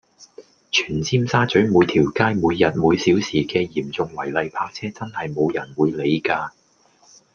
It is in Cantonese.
全尖沙咀每條街每日每小時嘅嚴重違例泊車真係冇人會理㗎￼